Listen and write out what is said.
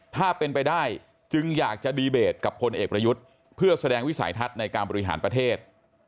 ถ้าเป็นไปได้จึงอยากจะดีเบตกับพลเอกประยุทธ์เพื่อแสดงวิสัยทัศน์ในการบริหารประเทศ